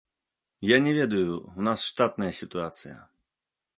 Я не ведаю, у нас штатная сітуацыя.